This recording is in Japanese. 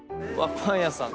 パン屋さん。